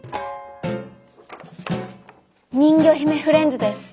人魚姫フレンズです。